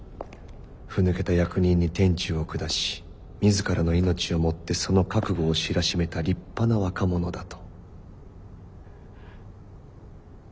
ふぬけた役人に天誅を下し自らの命をもってその覚悟を知らしめた立派な若者だと。